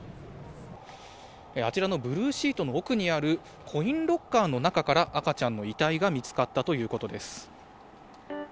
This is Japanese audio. あちらのブルーシートの奥にある、コインロッカーの中から、赤ちゃんの遺体が見つかったということです。